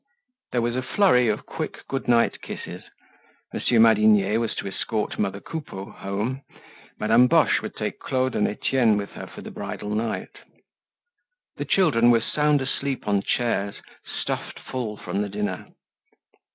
There was a flurry of quick good night kisses. Monsieur Madinier was to escort mother Coupeau home. Madame Boche would take Claude and Etienne with her for the bridal night. The children were sound asleep on chairs, stuffed full from the dinner.